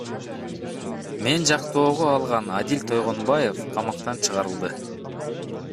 Мен жактоого алган Адил Тойгонбаев камактан чыгарылды.